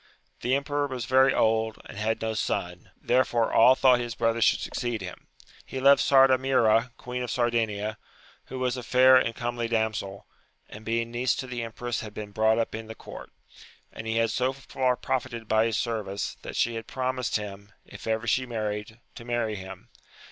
The emperor was very old, and had no son, therefore all thought his brother should succeed him. He loved Sardamira, queen of Sardinia, who was a fair and comely damsel, and being niece to the empress had been brought up in the court ; and he had so far pro fited by his service, that she had promised him, if ever she married, to marry him.